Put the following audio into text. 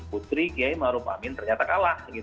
putri kiai maruf amin ternyata kalah